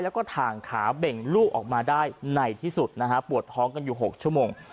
แล้วก็ถ่างขาเบ่งลูกออกมาได้ในที่สุดนะฮะปวดท้องกันอยู่๖ชั่วโมง